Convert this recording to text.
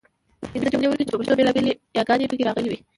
پنځه جملې ولیکئ چې پښتو بېلابېلې یګانې پکې راغلي وي.